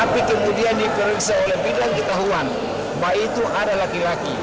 bidang ketahuan bahwa itu ada laki laki